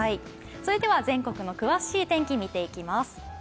それでは全国の詳しい天気、見ていきます。